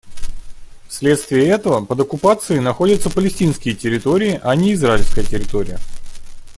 Вследствие этого под оккупацией находятся палестинские территории, а не израильская территория.